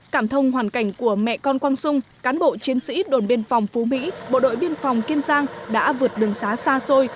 cảm thông hoàn cảnh của mẹ con quang sung cán bộ chiến sĩ đồn biên phòng phú mỹ bộ đội biên phòng kiên giang đã vượt đường xá xa xôi